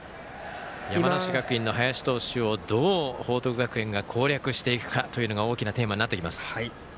山梨学院の林投手をどう報徳学園が攻略していくかというのが大きなテーマになってきます。